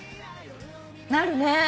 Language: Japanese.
なるねー。